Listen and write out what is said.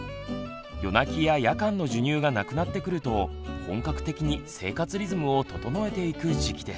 夜泣きや夜間の授乳がなくなってくると本格的に生活リズムを整えていく時期です。